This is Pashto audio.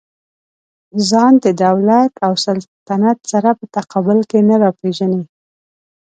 ځان د دولت او سلطنت سره په تقابل کې نه راپېژني.